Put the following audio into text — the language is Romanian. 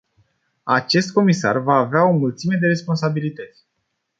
Acest comisar va avea o mulțime de responsabilități.